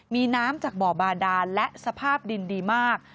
มีน้ำจากบ่อบาดานและสภาพดินดีมาก